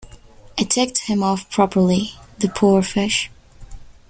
I ticked him off properly, the poor fish.